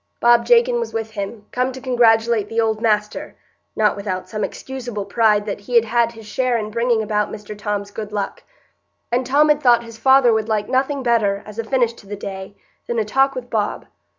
Bob Jakin was with him, come to congratulate "the old master," not without some excusable pride that he had had his share in bringing about Mr Tom's good luck; and Tom had thought his father would like nothing better, as a finish to the day, than a talk with Bob.